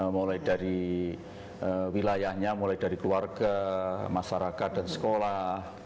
mulai dari wilayahnya mulai dari keluarga masyarakat dan sekolah